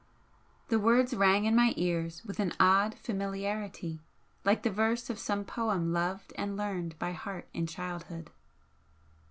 The words rang in my ears with an odd familiarity, like the verse of some poem loved and learned by heart in childhood.